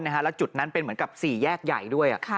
แล้วจุดนั้นเป็นเหมือนกับ๔แยกใหญ่ด้วย